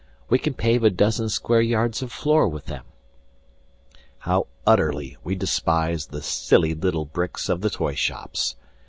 We can pave a dozen square yards of floor with them. How utterly we despise the silly little bricks of the toyshops!